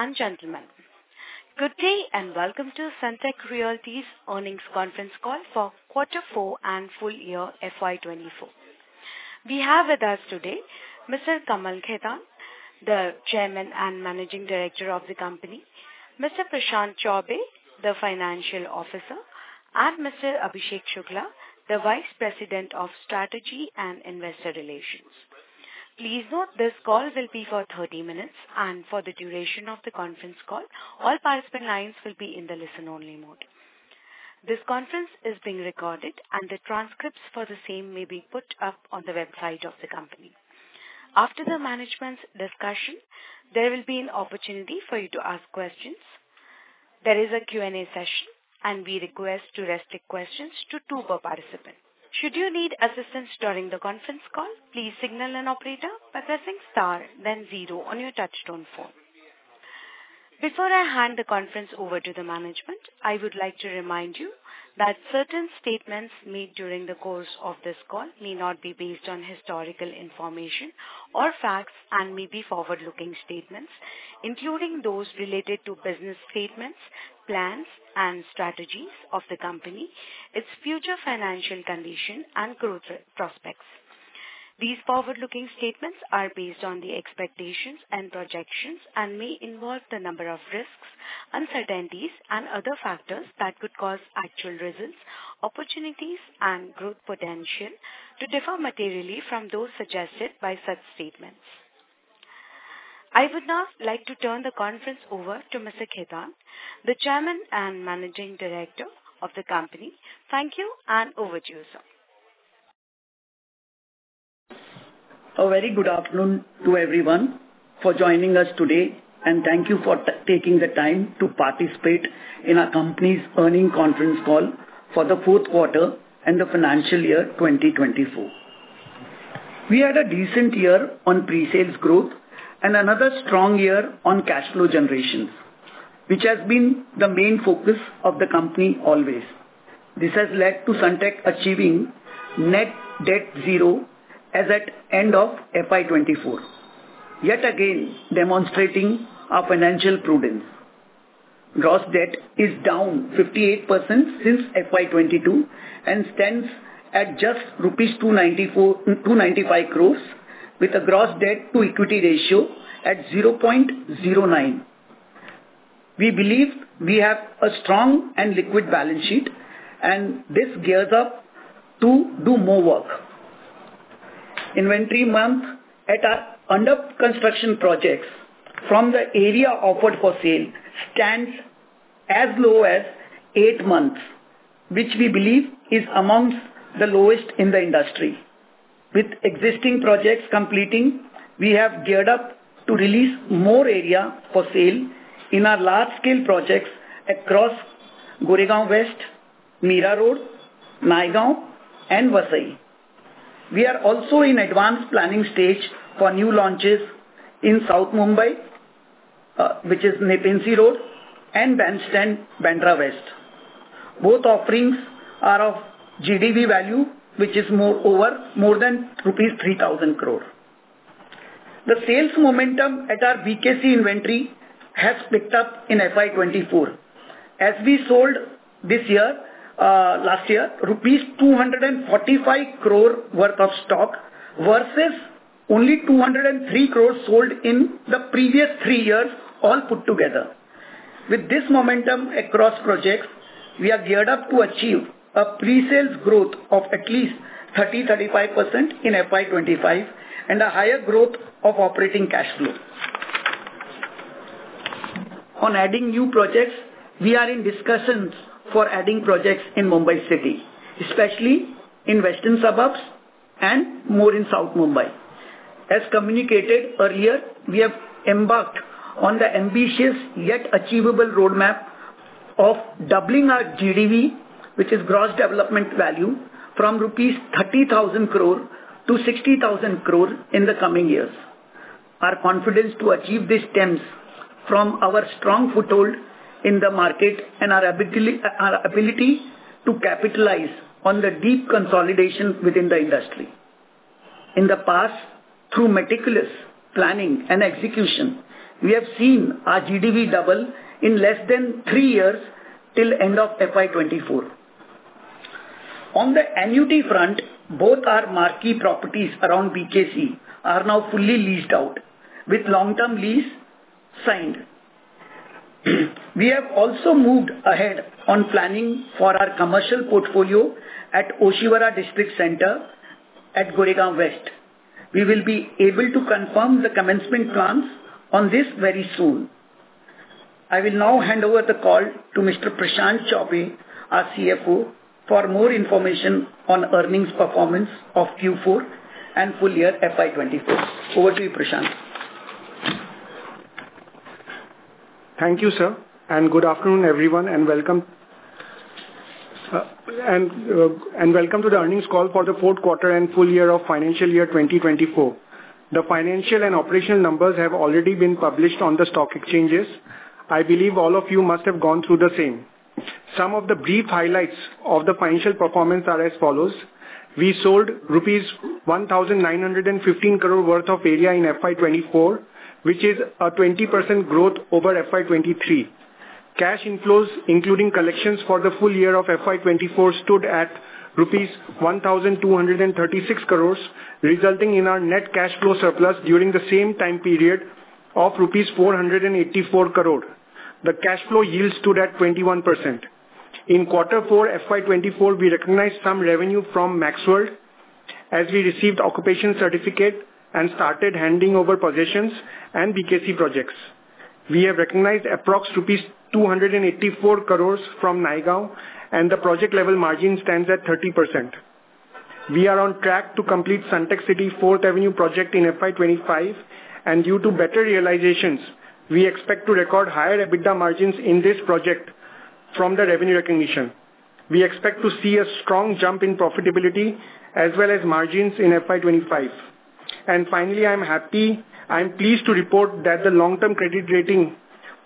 Ladies and gentlemen, good day, and welcome to Sunteck Realty's earnings conference call for quarter four and full year FY 2024. We have with us today Mr. Kamal Khetan, the Chairman and Managing Director of the company, Mr. Prashant Chaubey, the Financial Officer, and Mr. Abhishek Shukla, the Vice President of Strategy and Investor Relations. Please note, this call will be for 30 minutes, and for the duration of the conference call, all participant lines will be in the listen-only mode. This conference is being recorded, and the transcripts for the same may be put up on the website of the company. After the management's discussion, there will be an opportunity for you to ask questions. There is a Q&A session, and we request to restrict questions to 2 per participant. Should you need assistance during the conference call, please signal an operator by pressing Star then Zero on your touchtone phone. Before I hand the conference over to the management, I would like to remind you that certain statements made during the course of this call may not be based on historical information or facts and may be forward-looking statements, including those related to business statements, plans, and strategies of the company, its future financial condition, and growth prospects. These forward-looking statements are based on the expectations and projections and may involve the number of risks, uncertainties, and other factors that could cause actual results, opportunities, and growth potential to differ materially from those suggested by such statements. I would now like to turn the conference over to Mr. Khetan, the Chairman and Managing Director of the company. Thank you, and over to you, sir. A very good afternoon to everyone for joining us today, and thank you for taking the time to participate in our company's earnings conference call for the fourth quarter and the financial year 2024. We had a decent year on pre-sales growth and another strong year on cash flow generations, which has been the main focus of the company always. This has led to Sunteck achieving net debt zero as at end of FY 2024, yet again demonstrating our financial prudence. Gross debt is down 58% since FY 2022, and stands at just rupees 294-295 crore, with a gross debt to equity ratio at 0.09. We believe we have a strong and liquid balance sheet, and this gears up to do more work. Inventory month at our under construction projects from the area offered for sale stands as low as eight months, which we believe is amongst the lowest in the industry. With existing projects completing, we have geared up to release more area for sale in our large-scale projects across Goregaon West, Mira Road, Naigaon, and Vasai. We are also in advanced planning stage for new launches in South Mumbai, which is Nepean Sea Road and Bandstand Bandra West. Both offerings are of GDV value, which is more over, more than rupees 3,000 crore. The sales momentum at our BKC inventory has picked up in FY 2024, as we sold this year, last year, rupees 245 crore worth of stock versus only 203 crore sold in the previous three years, all put together. With this momentum across projects, we are geared up to achieve a pre-sales growth of at least 30%-35% in FY 2025 and a higher growth of operating cash flow. On adding new projects, we are in discussions for adding projects in Mumbai City, especially in Western Suburbs and more in South Mumbai. As communicated earlier, we have embarked on the ambitious yet achievable roadmap of doubling our GDV, which is Gross Development Value, from rupees 30,000 crore to 60,000 crore in the coming years. Our confidence to achieve this stems from our strong foothold in the market and our ability to capitalize on the deep consolidation within the industry. In the past, through meticulous planning and execution, we have seen our GDV double in less than 3 years till end of FY 2024. On the annuity front, both our marquee properties around BKC are now fully leased out, with long-term lease signed. We have also moved ahead on planning for our commercial portfolio at Oshiwara District Centre at Goregaon West. We will be able to confirm the commencement plans on this very soon. I will now hand over the call to Mr. Prashant Chaubey, our CFO, for more information on earnings performance of Q4 and full year FY 2024. Over to you, Prashant. Thank you, sir, and good afternoon, everyone, and welcome to the earnings call for the fourth quarter and full year of financial year 2024. The financial and operational numbers have already been published on the stock exchanges. I believe all of you must have gone through the same. Some of the brief highlights of the financial performance are as follows: We sold rupees 1,915 crore worth of area in FY 2024, which is a 20% growth over FY 2023. Cash inflows, including collections for the full year of FY 2024, stood at rupees 1,236 crores, resulting in our net cash flow surplus during the same time period of rupees 484 crore. The cash flow yield stood at 21%. In Quarter four, FY 2024, we recognized some revenue from MaxXWorld as we received Occupation Certificate and started handing over possessions and ODC projects. We have recognized approx rupees 284 crores from Naigaon, and the project level margin stands at 30%. We are on track to complete Sunteck City 4th Avenue project in FY25, and due to better realizations, we expect to record higher EBITDA margins in this project from the revenue recognition. We expect to see a strong jump in profitability as well as margins in FY25. And finally, I'm pleased to report that the long-term credit rating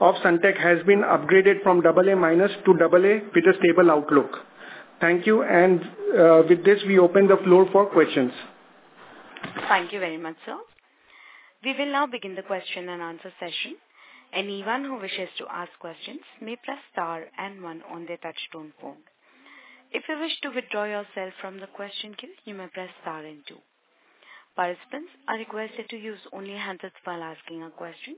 of Sunteck has been upgraded from AA- to AA with a stable outlook. Thank you, and with this, we open the floor for questions. Thank you very much, sir. We will now begin the question and answer session. Anyone who wishes to ask questions may press star and one on their touchtone phone. If you wish to withdraw yourself from the question queue, you may press star and two. Participants are requested to use only handset while asking a question.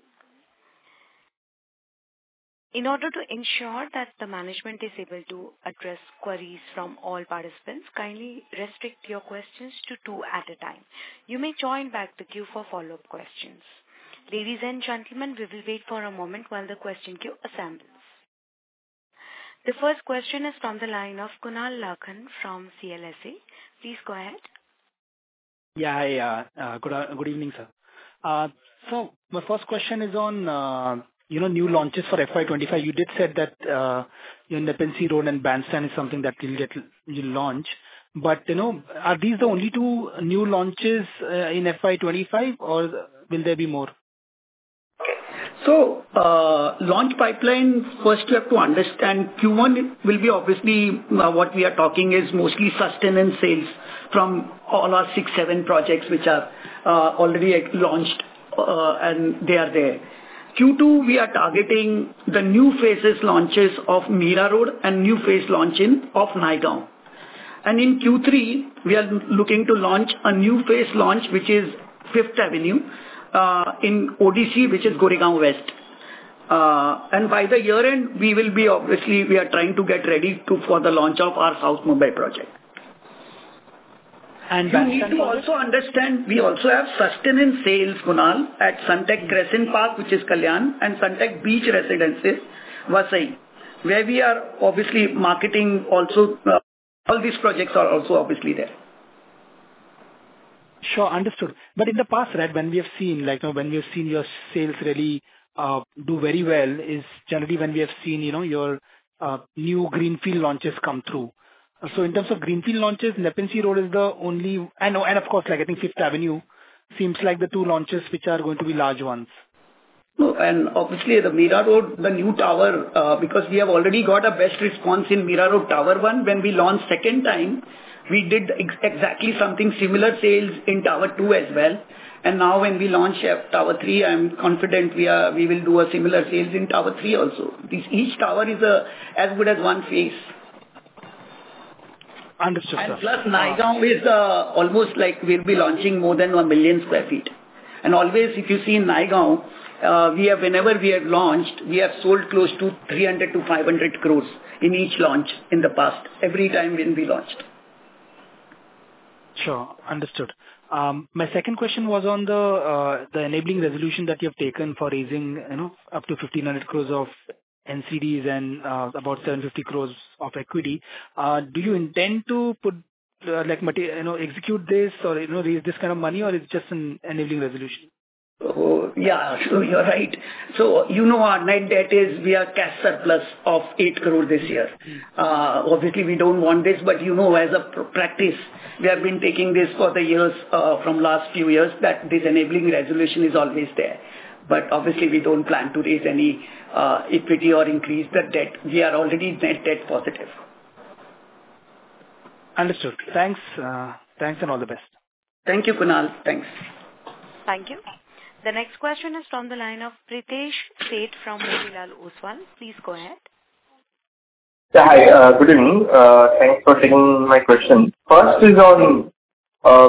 In order to ensure that the management is able to address queries from all participants, kindly restrict your questions to two at a time. You may join back the queue for follow-up questions. Ladies and gentlemen, we will wait for a moment while the question queue assembles. The first question is from the line of Kunal Lakhan from CLSA. Please go ahead. Yeah, hi. Good evening, sir. So my first question is on, you know, new launches for FY 25. You did said that, you know, Nepean Sea Road and Bandstand is something that you'll get, you'll launch. But, you know, are these the only two new launches in FY 25, or will there be more? So, launch pipeline, first you have to understand, Q1 will be obviously what we are talking is mostly sustenance sales from all our six, seven projects, which are already launched, and they are there. Q2, we are targeting the new phases launches of Mira Road and new phase launching of Naigaon. And in Q3, we are looking to launch a new phase launch, which is 5th Avenue, in ODC, which is Goregaon West. And by the year-end, we will be obviously, we are trying to get ready for the launch of our South Mumbai project. You need to also understand, we also have sustenance sales, Kunal, at Sunteck Crescent Park, which is Kalyan, and Sunteck Beach Residences, Vasai, where we are obviously marketing also. All these projects are also obviously there. Sure, understood. But in the past, right, when we have seen, like, when we have seen your sales really do very well, is generally when we have seen, you know, your new greenfield launches come through. So in terms of greenfield launches, Nepean Sea Road is the only... I know, and of course, like I think 5th Avenue seems like the two launches which are going to be large ones. No, and obviously, the Mira Road, the new tower, because we have already got a best response in Mira Road, Tower One. When we launched second time, we did exactly something similar sales in Tower Two as well. And now when we launch Tower Three, I'm confident we will do a similar sales in Tower Three also. This each tower is, as good as one phase. Understood, sir. Plus, Naigaon is almost like we'll be launching more than 1 million sq ft. And always, if you see in Naigaon, we have whenever we have launched, we have sold close to 300 crore-500 crore in each launch in the past, every time when we launched. Sure, understood. My second question was on the enabling resolution that you have taken for raising, you know, up to 1,500 crores of NCDs and about 750 crores of equity. Do you intend to put, like, you know, execute this, or, you know, raise this kind of money, or it's just an enabling resolution? Oh, yeah. So you're right. So you know, our net debt is we are cash surplus of 8 crore this year. Obviously, we don't want this, but, you know, as a practice, we have been taking this for the years, from last few years, that this enabling resolution is always there. But obviously, we don't plan to raise any equity or increase the debt. We are already net debt positive. Understood. Thanks, thanks, and all the best. Thank you, Kunal. Thanks. Thank you. The next question is from the line of Pritesh Sheth from Motilal Oswal. Please go ahead. Yeah, hi, good evening. Thanks for taking my question. First is on,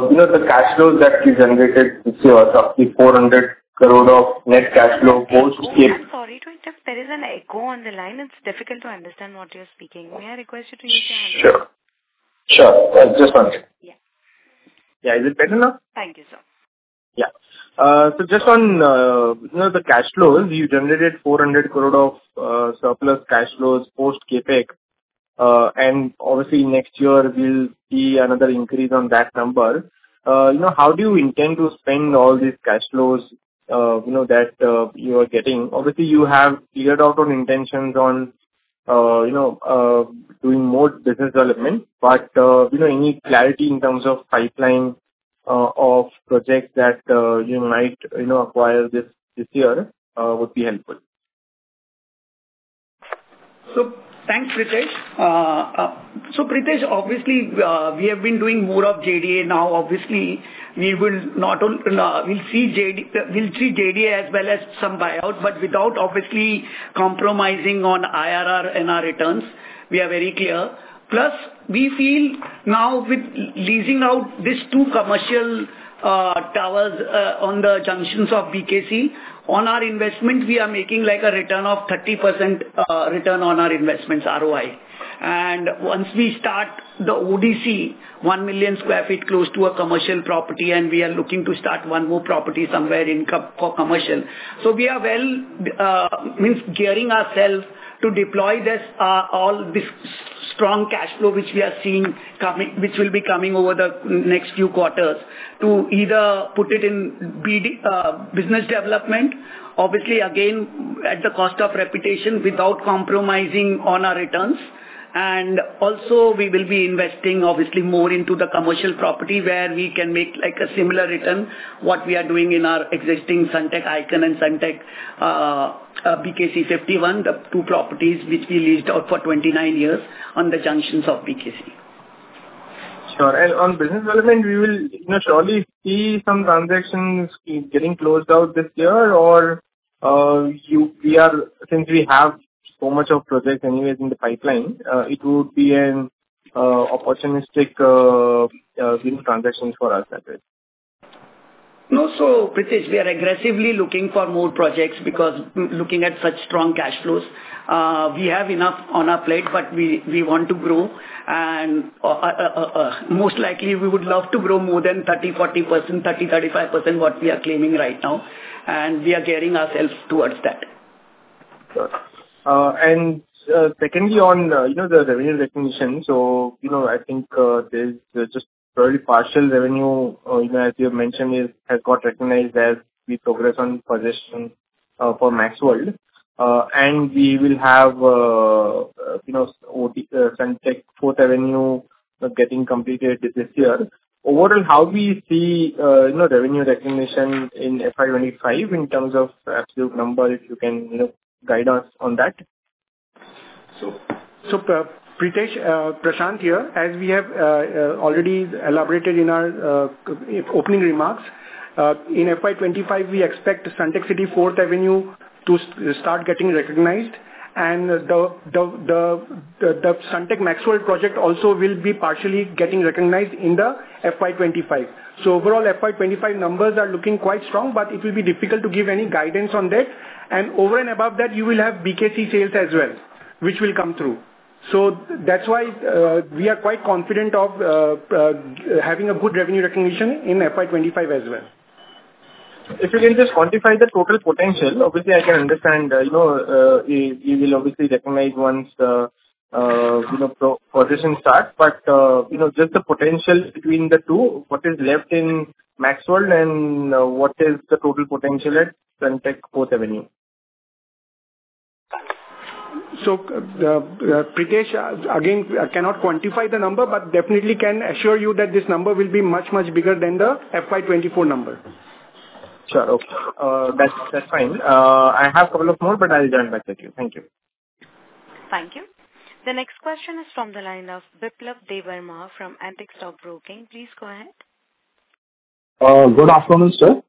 you know, the cash flows that we generated this year, roughly INR 400 crore of net cash flow post- I'm sorry to interrupt. There is an echo on the line. It's difficult to understand what you're speaking. May I request you to use your- Sure. Sure, just one second. Yeah. Yeah, is it better now? Thank you, sir. Yeah. So just on, you know, the cash flows, you generated 400 crore of surplus cash flows, post CapEx, and obviously next year we'll see another increase on that number. You know, how do you intend to spend all these cash flows, you know, that you are getting? Obviously, you have cleared out on intentions on, you know, doing more business development, but, you know, any clarity in terms of pipeline?... of projects that you might, you know, acquire this, this year, would be helpful. So thanks, Pritesh. So Pritesh, obviously, we have been doing more of JDA now. Obviously, we will not only, we'll see JD, we'll treat JDA as well as some buyout, but without obviously compromising on IRR and our returns. We are very clear. Plus, we feel now with leasing out these two commercial towers on the junctions of BKC, on our investment, we are making, like, a return of 30%, return on our investments, ROI. And once we start the ODC, 1 million sq ft close to a commercial property, and we are looking to start one more property somewhere in co- for commercial. So we are well, means gearing ourselves to deploy this all this strong cash flow which we are seeing coming, which will be coming over the next few quarters, to either put it in BD, business development, obviously again, at the cost of reputation, without compromising on our returns. Also we will be investing obviously more into the commercial property, where we can make, like, a similar return, what we are doing in our existing Sunteck Icon and Sunteck BKC 51, the two properties which we leased out for 29 years on the junctions of BKC. Sure. And on business development, we will, you know, surely see some transactions getting closed out this year or we are, since we have so much of projects anyways in the pipeline, it would be a new transaction for us at it? No. So, Pritesh, we are aggressively looking for more projects because looking at such strong cash flows, we have enough on our plate, but we want to grow. And most likely, we would love to grow more than 30%-40%, 30%-35% what we are claiming right now, and we are gearing ourselves towards that. Sure. And secondly, on, you know, the revenue recognition, so, you know, I think, there's just very partial revenue, you know, as you have mentioned, is, has got recognized as we progress on possession, for MaxXWorld. And we will have, you know, Sunteck Fourth Avenue getting completed this year. Overall, how we see, you know, revenue recognition in FY 25 in terms of absolute number, if you can, you know, guide us on that? So, Pritesh, Prashant here. As we have already elaborated in our opening remarks, in FY 25, we expect Sunteck City 4th Avenue to start getting recognized, and the Sunteck MaxXWorld project also will be partially getting recognized in the FY 25. So overall, FY 25 numbers are looking quite strong, but it will be difficult to give any guidance on that. And over and above that, you will have BKC sales as well, which will come through. So that's why, we are quite confident of having a good revenue recognition in FY 25 as well. If you can just quantify the total potential. Obviously, I can understand, you know, you will obviously recognize once the, you know, proposition starts, but, you know, just the potential between the two, what is left in MaxXWorld and, what is the total potential at Sunteck City 4th Avenue? Pritesh, again, I cannot quantify the number, but definitely can assure you that this number will be much, much bigger than the FY24 number. Sure. Okay. That's, that's fine. I have a couple of more, but I'll join back with you. Thank you. Thank you. The next question is from the line of Biplab Debbarma from Antique Stock Broking. Please go ahead. Good afternoon, sir.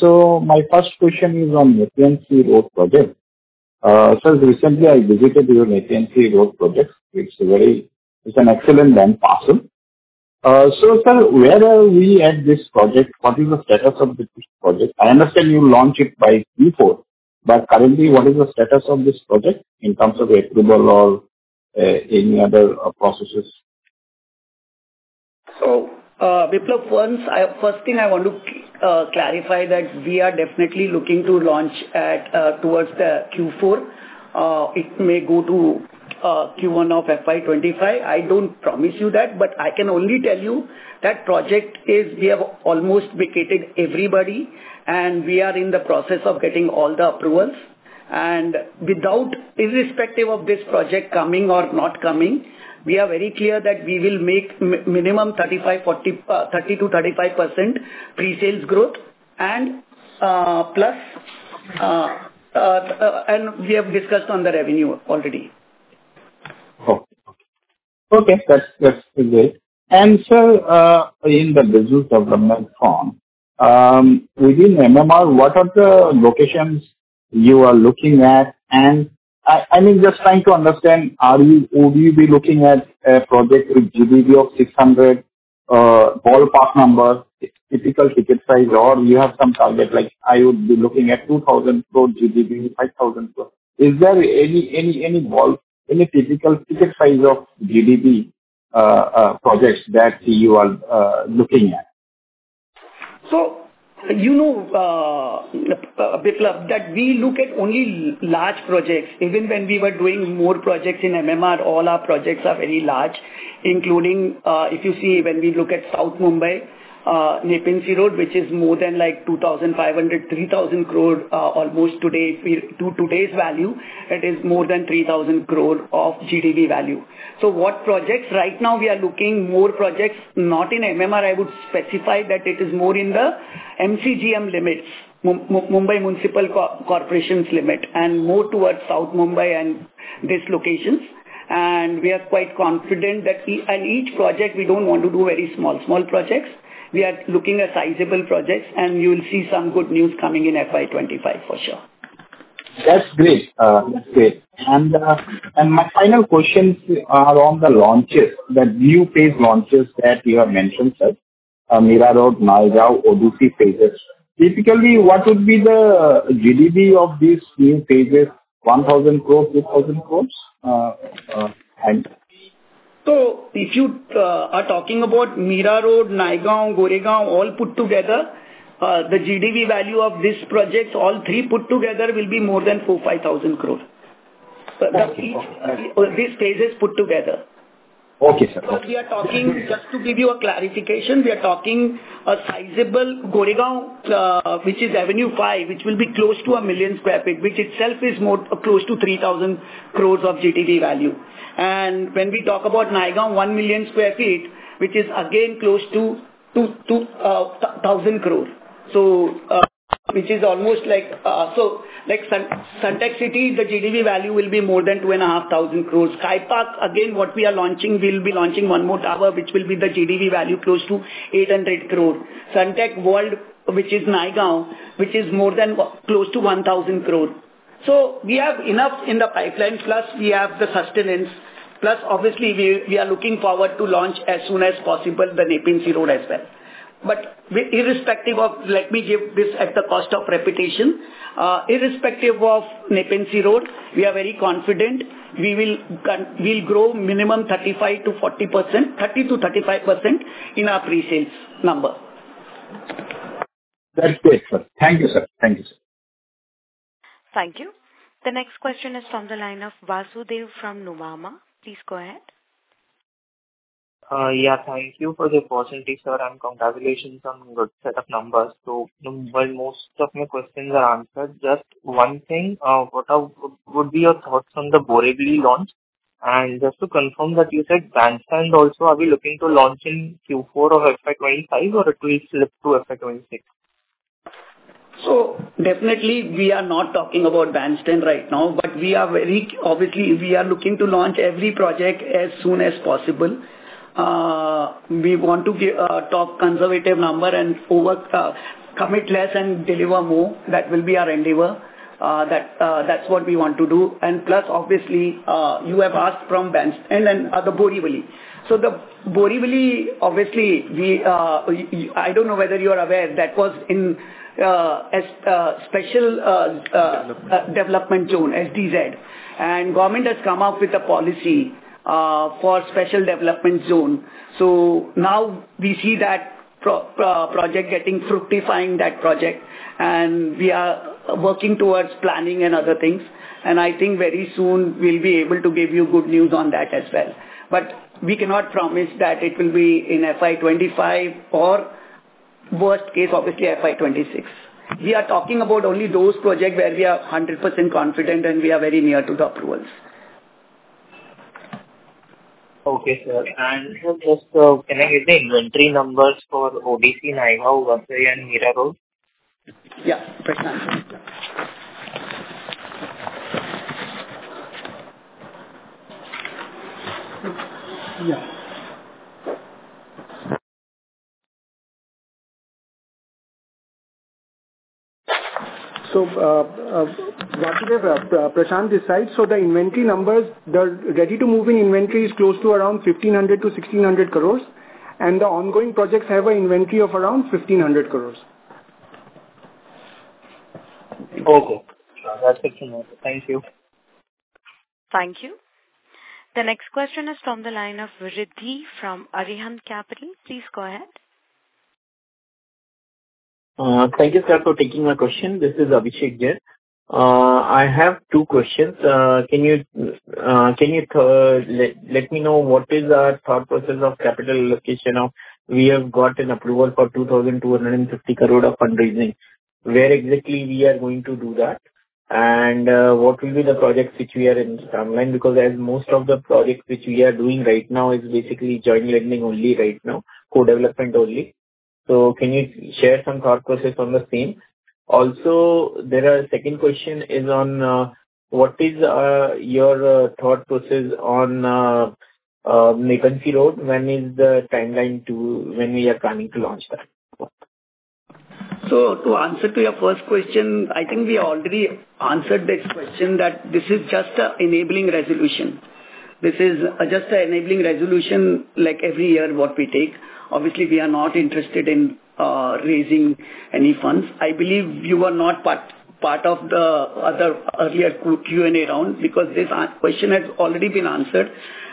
So my first question is on Nepean Sea Road project. So recently, I visited your Nepean Sea Road project. It's very... It's an excellent and parcel. So, sir, where are we at this project? What is the status of this project? I understand you launched it by Q4, but currently, what is the status of this project in terms of approval or any other processes? So, Biplab, first thing I want to clarify that we are definitely looking to launch towards the Q4. It may go to Q1 of FY 2025. I don't promise you that, but I can only tell you that project is, we have almost vacated everybody, and we are in the process of getting all the approvals. And without, irrespective of this project coming or not coming, we are very clear that we will make minimum 35, 40, 30-35% pre-sales growth and, plus, and we have discussed on the revenue already. Okay. Okay, that's, that's good. And sir, in the business development from within MMR, what are the locations you are looking at? And I mean, just trying to understand, are you- would you be looking at a project with GDV of 600 crore, ballpark number, typical ticket size, or you have some target, like I would be looking at 2,000 crore GDV, 5,000 crore. Is there any typical ticket size of GDV projects that you are looking at? So, you know, Biplab, that we look at only large projects. Even when we were doing more projects in MMR, all our projects are very large, including, if you see, when we look at South Mumbai, Nepean Sea Road, which is more than, like, 2,500-3,000 crore, almost today to today's value, it is more than 3,000 crore of GDV value. So what projects? Right now we are looking more projects, not in MMR. I would specify that it is more in the MCGM limits, Mumbai Municipal Corporation limits, and more towards South Mumbai and these locations. And we are quite confident that we, on each project, we don't want to do very small, small projects. We are looking at sizable projects, and you will see some good news coming in FY 2025, for sure. That's great. That's great. And my final questions are on the launches, the new phase launches that you have mentioned, sir. Mira Road, Naigaon, Oshiwara phases. Typically, what would be the GDV of these new phases? 1,000 crore, 2,000 crore, and- So if you are talking about Mira Road, Naigaon, Goregaon, all put together, the GDV value of these projects, all three put together, will be more than 4,500 crore. Okay. But these phases put together. Okay, sir. So we are talking, just to give you a clarification, we are talking a sizable Goregaon, which is 5th Avenue, which will be close to 1 million sq ft, which itself is more close to 3,000 crore of GDV value. And when we talk about Naigaon, 1 million sq ft, which is again close to 1,000 crore. So, which is almost like... So like Sunteck City, the GDV value will be more than 2,500 crore. Sky Park, again, what we are launching, we'll be launching one more tower, which will be the GDV value close to 800 crore. Sunteck World, which is Naigaon, which is more than close to 1,000 crore. So we have enough in the pipeline, plus we have the sustenance, plus obviously we, we are looking forward to launch as soon as possible, the Nepean Sea Road as well. But with irrespective of. Let me give this at the cost of repetition, irrespective of Nepean Sea Road, we are very confident we'll grow minimum 35%-40%, 30%-35% in our pre-sales number. That's great, sir. Thank you, sir. Thank you, sir. Thank you. The next question is from the line of Vasudev from Nuvama. Please go ahead. Yeah, thank you for the opportunity, sir, and congratulations on good set of numbers. So while most of my questions are answered, just one thing, what would be your thoughts on the Borivali launch? And just to confirm that you said Bandstand also, are we looking to launch in Q4 of FY 25 or it will slip to FY 26? So definitely we are not talking about Bandstand right now, but we are very, obviously, we are looking to launch every project as soon as possible. We want to be top conservative number and over commit less and deliver more. That will be our endeavor. That's what we want to do. And plus, obviously, you have asked from Bandstand and then the Borivali. So the Borivali, obviously, we I don't know whether you are aware, that was in a special Development. development zone, SDZ. And government has come up with a policy for special development zone. So now we see that project getting fructifying that project, and we are working towards planning and other things. And I think very soon we'll be able to give you good news on that as well. But we cannot promise that it will be in FY 25 or worst case, obviously, FY 26. We are talking about only those projects where we are 100% confident and we are very near to the approvals. Okay, sir. Also, can I get the inventory numbers for ODC, Naigaon, Vasai and Mira Road? Yeah, Prashant. Yeah. So, Vasudev, Prashant this side. So the inventory numbers, the ready to move in inventory is close to around 1,500 crores-1,600 crores, and the ongoing projects have an inventory of around 1,500 crores. Okay. That's it. Thank you. Thank you. The next question is from the line of Riddhi from Arihant Capital. Please go ahead. Thank you, sir, for taking my question. This is Abhishek Jain. I have two questions. Can you tell me what is our thought process of capital allocation of we have got an approval for 2,250 crore of fundraising. Where exactly we are going to do that? And what will be the projects which we are in timeline? Because as most of the projects which we are doing right now is basically joint lending only right now, co-development only. So can you share some thought process on the same? Also, there are second question is on what is your thought process on Nepean Sea Road? When is the timeline to when we are planning to launch that? So to answer your first question, I think we already answered this question, that this is just an enabling resolution. This is just an enabling resolution, like every year, what we take. Obviously, we are not interested in raising any funds. I believe you were not part of the other earlier Q&A round, because this question has already been answered.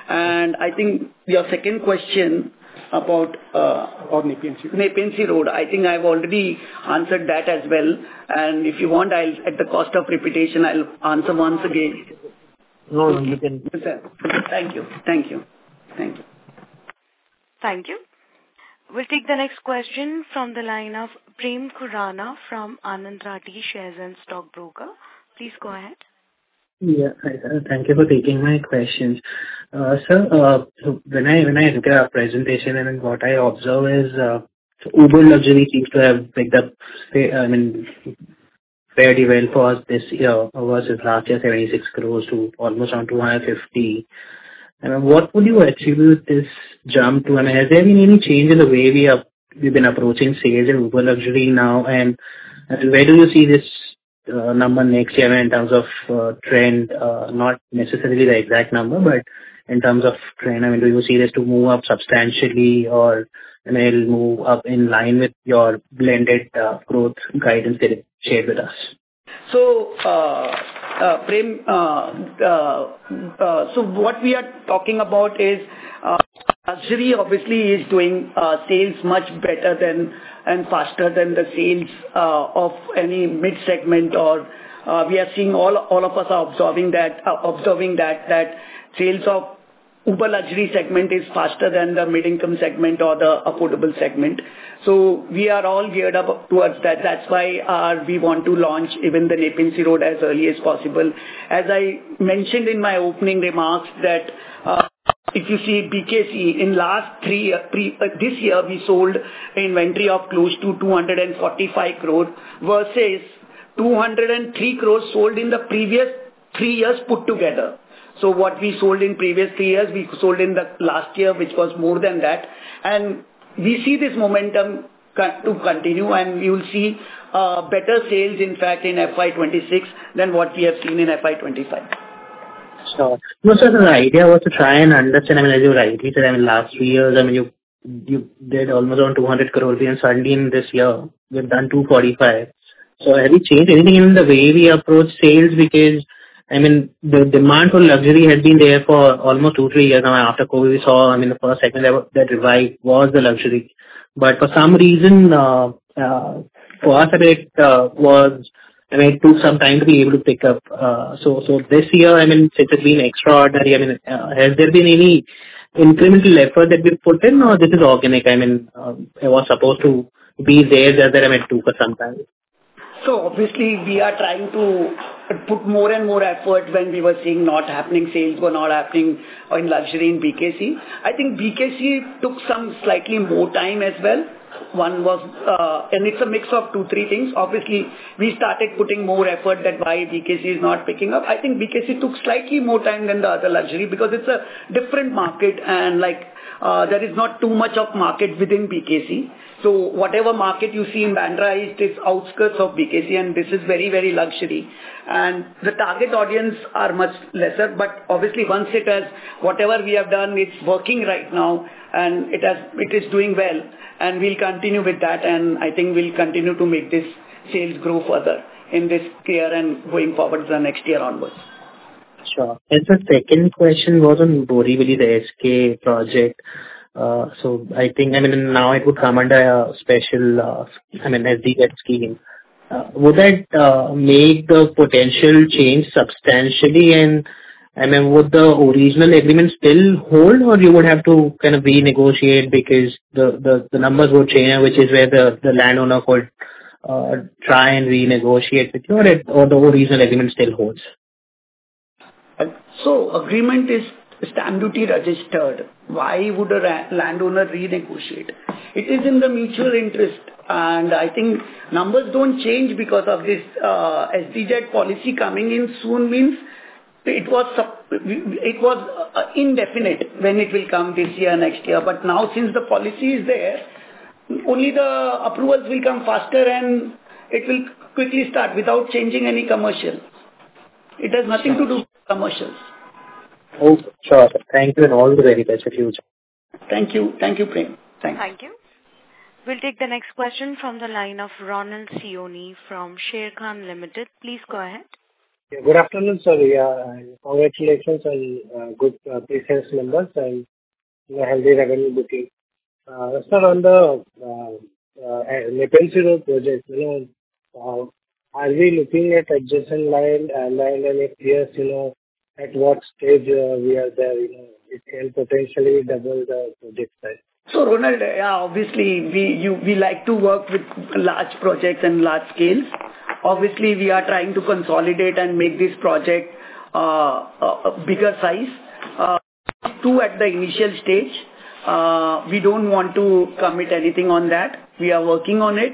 And I think your second question about- About Nepean Sea. Nepean Sea Road, I think I've already answered that as well. And if you want, I'll, at the cost of repetition, I'll answer once again. No, you can. Thank you. Thank you. Thank you. Thank you. We'll take the next question from the line of Prem Khurana from Anand Rathi Shares and Stock Brokers. Please go ahead. Yeah, hi, thank you for taking my questions. Sir, so when I look at our presentation and what I observe is, so ultra luxury seems to have picked up, I mean fairly well for us this year, versus last year, 76 crore to almost on 250 crore. And what will you attribute this jump to? And has there been any change in the way we've been approaching sales in uber luxury now? And where do you see this number next year in terms of trend? Not necessarily the exact number, but in terms of trend, I mean, do you see this to move up substantially or, and it'll move up in line with your blended growth guidance that you shared with us? So, Prem, so what we are talking about is, luxury obviously is doing, sales much better than and faster than the sales, of any mid-segment or. We are seeing, all of us are observing that, observing that, sales of uber luxury segment is faster than the mid-income segment or the affordable segment. So we are all geared up towards that. That's why, we want to launch even the Nepean Sea Road as early as possible. As I mentioned in my opening remarks, that, if you see BKC in last three year, pre this year, we sold inventory of close to 245 crore versus 203 crores sold in the previous three years put together. So what we sold in previous three years, we sold in the last year, which was more than that. We see this momentum to continue, and we will see better sales, in fact, in FY 2026 than what we have seen in FY 2025. Sure. No, sir, the idea was to try and understand, I mean, as you rightly said, I mean, last three years, I mean, you did almost 200 crore in 2017, this year, you've done 245 crore. So have you changed anything in the way we approach sales? Because, I mean, the demand for luxury has been there for almost two, three years now. After COVID, we saw, I mean, the first, second level, that revival was the luxury. But for some reason, for us, I think, was, I mean, took some time to be able to pick up. So this year, I mean, it has been extraordinary. I mean, has there been any incremental effort that we put in, or this is organic? I mean, it was supposed to be there, that there are meant to for some time. So obviously, we are trying to put more and more effort when we were seeing not happening, sales were not happening in luxury in BKC. I think BKC took some slightly more time as well. One was, and it's a mix of two, three things. Obviously, we started putting more effort that why BKC is not picking up. I think BKC took slightly more time than the other luxury because it's a different market, and like, there is not too much of market within BKC. So whatever market you see in Bandra, it is outskirts of BKC, and this is very, very luxury. And the target audience are much lesser, but obviously once it has, whatever we have done, it's working right now, and it has, it is doing well, and we'll continue with that. I think we'll continue to make this sales grow further in this year and going forward to the next year onwards. Sure. And the second question was on Borivali, the SK project. So I think, I mean, now it would come under a special, I mean, SDZ scheme. Would that make the potential change substantially? And, I mean, would the original agreement still hold, or you would have to kind of renegotiate because the numbers would change, which is where the landowner could try and renegotiate with you, or the original agreement still holds? So agreement is stamp duty registered. Why would a landowner renegotiate? It is in the mutual interest, and I think numbers don't change because of this SDZ policy coming in soon means it was indefinite when it will come, this year, next year. But now, since the policy is there, only the approvals will come faster, and it will quickly start without changing any commercials. It has nothing to do with commercials. Okay. Sure. Thank you, and all the very best to you. Thank you. Thank you, Prem. Thank you. Thank you. We'll take the next question from the line of Ronald Siyoni from Sharekhan Limited. Please go ahead. Good afternoon, sir. Congratulations on good pre-sales numbers and a healthy revenue booking. Sir, on the Nepean Sea Road project, you know, are we looking at adjacent land and land areas? You know, at what stage we are there, you know, it can potentially double the project size. So, Ronald, yeah, obviously, we like to work with large projects and large scales. Obviously, we are trying to consolidate and make this project a bigger size. Two at the initial stage, we don't want to commit anything on that. We are working on it,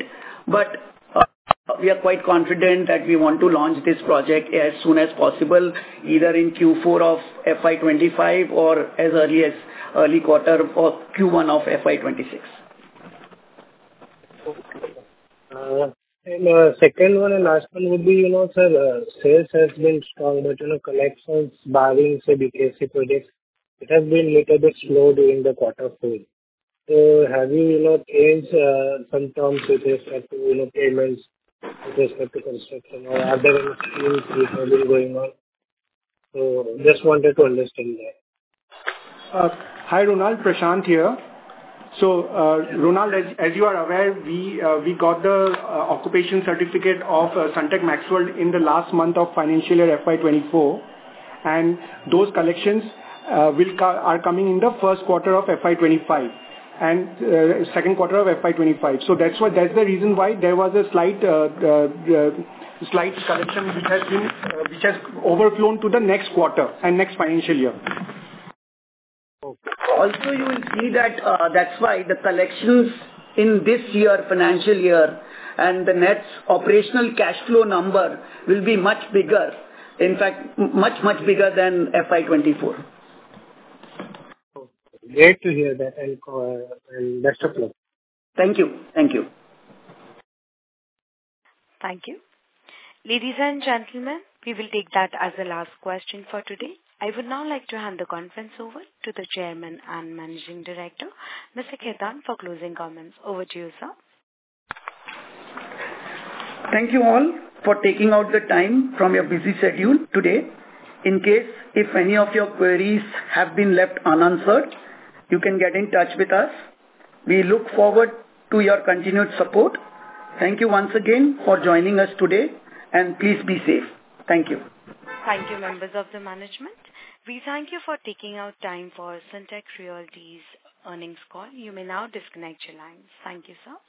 but we are quite confident that we want to launch this project as soon as possible, either in Q4 of FY 25 or as early as early quarter of Q1 of FY 26. Okay. And, second one, and last one would be, you know, sir, sales has been strong, but, you know, collections barring, say, BKC projects, it has been little bit slow during the quarter four. So have you, you know, changed, some terms with respect to, you know, payments, with respect to construction or are there any issues which have been going on? So just wanted to understand that. Hi, Ronald, Prashant here. So, Ronald, as you are aware, we got the Occupation Certificate of Sunteck MaxXWorld in the last month of financial year FY 24, and those collections are coming in the first quarter of FY 25 and second quarter of FY 25. So that's what, that's the reason why there was a slight collection which has overflown to the next quarter and next financial year. Okay. Also, you will see that, that's why the collections in this year, financial year, and the net operational cash flow number will be much bigger, in fact, much, much bigger than FY 2024. Okay. Great to hear that, and, and best of luck. Thank you. Thank you. Thank you. Ladies and gentlemen, we will take that as the last question for today. I would now like to hand the conference over to the chairman and managing director, Mr. Khetan, for closing comments. Over to you, sir. Thank you all for taking out the time from your busy schedule today. In case if any of your queries have been left unanswered, you can get in touch with us. We look forward to your continued support. Thank you once again for joining us today, and please be safe. Thank you. Thank you, members of the management. We thank you for taking out time for Sunteck Realty's earnings call. You may now disconnect your lines. Thank you, sir.